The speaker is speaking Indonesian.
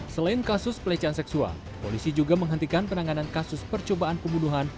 selain kasus pelecehan seksual polisi juga menghentikan penanganan kasus percobaan pembunuhan